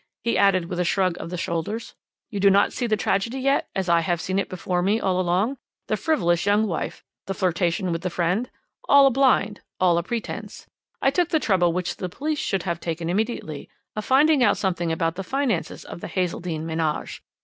he added with a shrug of the shoulders, "you do not see the tragedy yet, as I have seen it before me all along. The frivolous young wife, the flirtation with the friend? all a blind, all pretence. I took the trouble which the police should have taken immediately, of finding out something about the finances of the Hazeldene ménage.